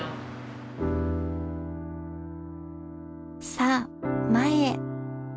さあ前へ。